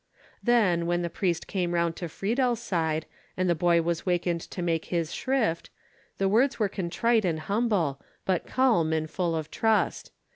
Then, when the priest came round to Friedel's side, and the boy was wakened to make his shrift, the words were contrite and humble, but calm and full of trust.